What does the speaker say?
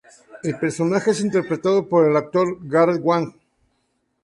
El personaje es interpretado por el actor Garrett Wang.